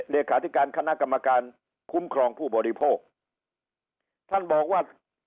เลขาที่การครานะกรรมการคุมพ่อผู้บดิพ่อท่านบอกว่า